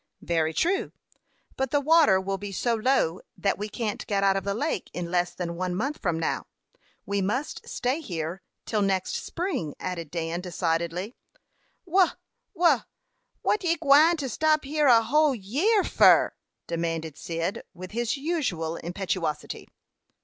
"Very true; but the water will be so low that we can't get out of the lake in less than one month from now. We must stay here till next spring," added Dan, decidedly. "Wha wha what ye gwine to stop here a whole year fur?" demanded Cyd, with his usual impetuosity.